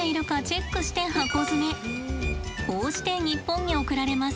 こうして日本に送られます。